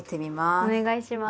お願いします。